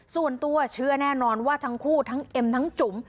ส่วนตัวเชื่อแน่นอนว่าทั้งคู่ทั้งเอ็มทั้งจุ๋ม